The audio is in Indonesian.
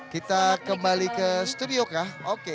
kita kembali ke studio kah oke